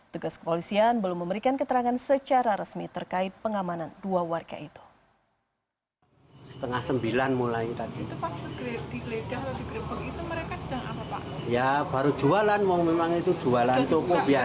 tugas kepolisian belum memberikan keterangan secara resmi terkait pengamanan dua warga itu